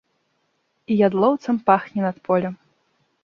І ядлоўцам пахне над полем.